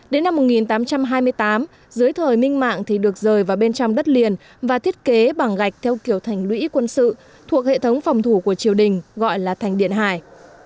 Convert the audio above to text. đến năm một nghìn tám trăm hai mươi tám dưới thời minh mạng thì được rời vào bên trong đất liền và thiết kế bằng gạch theo kiểu thành lũy quân sự thuộc hệ thống phòng thủ của triều đình gọi là thành điện hải